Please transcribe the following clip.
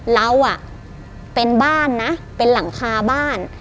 เราเป็นบ้านนะเป็นหลังคาบ้าน